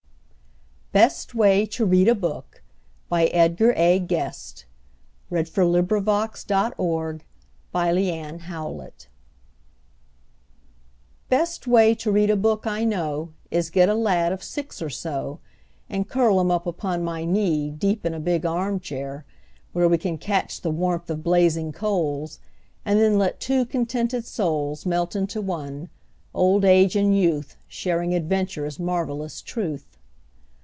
Than that of him who is a boy, a little boy on Christmas Day. Best Way to Read a Book Best way to read a book I know Is get a lad of six or so, And curl him up upon my knee Deep in a big arm chair, where we Can catch the warmth of blazing coals, And then let two contented souls Melt into one, old age and youth, Sharing adventure's marvelous truth.